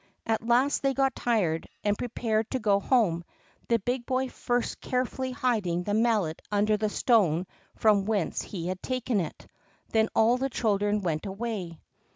At last they got tired, and prepared to go home; the big boy first carefully hiding the Mallet under the stone from whence he had taken it. Then all the children went away.